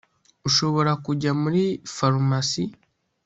ushobora kujya muri farumasi